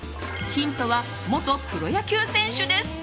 ヒントは、元プロ野球選手です。